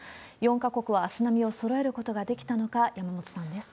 ４か国は足並みをそろえることができたのか、山本さんです。